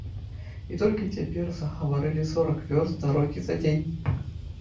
І толькі цяпер загаварылі сорак вёрст дарогі за дзень.